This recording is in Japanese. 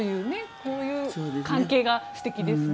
こういう関係が素敵ですね。